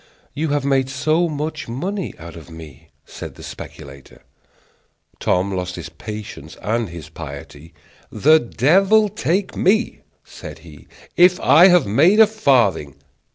"You have made so much money out of me," said the speculator. Tom lost his patience and his piety. "The devil take me," said he, "if I have made a farthing!"